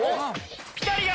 ピタリが！